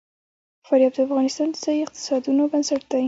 فاریاب د افغانستان د ځایي اقتصادونو بنسټ دی.